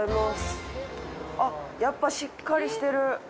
あっやっぱしっかりしてる。